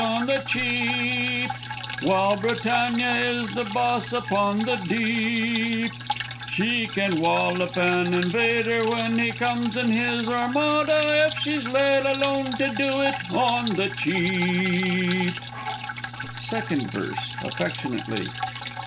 On the Cheap, While Britannia is the boss upon the deep, She can wollop an invader, when he comes in his Armada, If she's let alone to do it On the Cheap! Second Verse. (_Affectionately.